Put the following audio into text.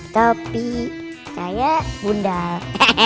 tapi saya bundal